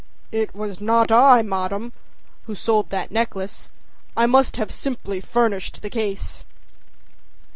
âIt was not I, madame, who sold that necklace; I must simply have furnished the case.